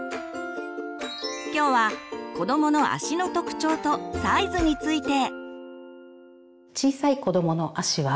今日は子どもの足の特徴とサイズについて。